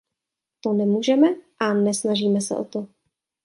To nemůžeme a nesnažíme se o to.